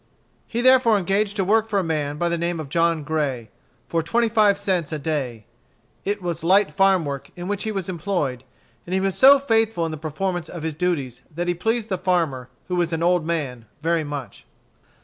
He therefore engaged to work for a man by the name of John Gray, for twenty five cents a day. It was light farm work in which he was employed, and he was so faithful in the performance of his duties that he pleased the farmer, who was an old man, very much.